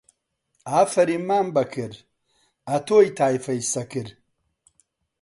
ئافەریم مام بابەکر، ئەتۆی تایفەی سەکر